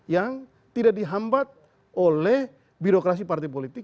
yang tidak dihambat oleh birokrasi partai politik